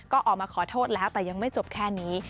ก็ออกมาขอโทษแล้วแต่ยังไม่จบแค่นี้